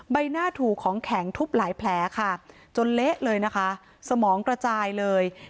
ใบหน้าถูกของแข็งทุบหลายแผลค่ะจนเละเลยนะคะสมองกระจายเลย